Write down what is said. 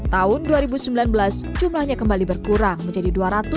tahun dua ribu sembilan belas jumlahnya kembali berkurang menjadi dua ratus dua puluh delapan